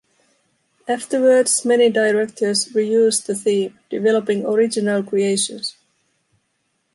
Afterwards, many directors reused the theme, developing original creations.